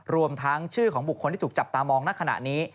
รวมทั้งชื่อของบุคคลที่ถูกจับตามองณขณะนี้